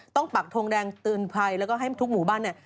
ปักทงแดงเตือนภัยแล้วก็ให้ทุกหมู่บ้านเนี่ย